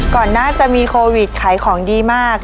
ก่อนหน้าจะมีโควิดขายของดีมาก